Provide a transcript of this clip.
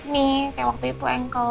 nih kayak waktu itu engkel